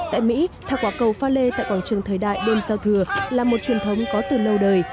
tại mỹ thảo quả cầu pha lê tại quảng trường thời đại đêm giao thừa là một truyền thống có từ lâu đời